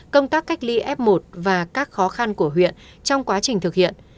công tác cách ly f một và các khó khăn của huyện trong quá trình thực hiện